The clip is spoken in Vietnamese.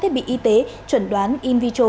thiết bị y tế chuẩn đoán in vitro